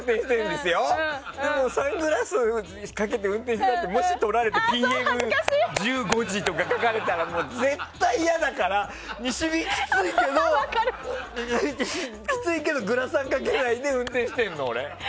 でもサングラスをかけて運転してる時に撮られてＰＭ１５時とか書かれたら絶対嫌だから西日がきついけどグラサンかけないで運転してるの、俺。